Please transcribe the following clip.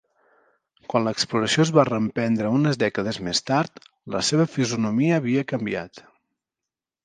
Quan l'exploració es va reprendre unes dècades més tard, la seva fisonomia havia canviat.